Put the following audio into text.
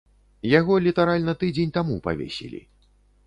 Яго літаральна тыдзень таму павесілі.